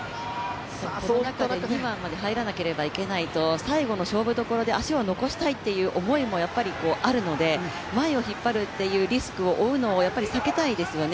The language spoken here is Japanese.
この中で２位にまで入らないといけないと思うと最後の勝負どころで足を残したいという思いもあるので、前を引っ張るというリスクを負うのは避けたいですよね。